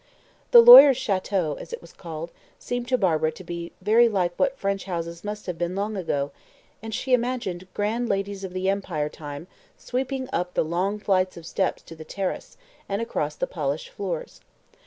The lawyer's château, as it was called, seemed to Barbara to be very like what French houses must have been long ago, and she imagined grand ladies of the Empire time sweeping up the long flight of steps to the terrace, and across the polished floors.